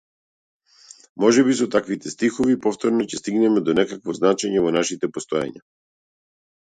Можеби со таквите стихови повторно ќе стигнеме до некакво значење во нашите постоења.